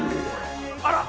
あら！